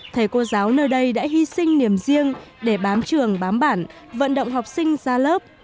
thầy cô giáo nơi đây đã hy sinh niềm riêng để bám trường bám bản vận động học sinh ra lớp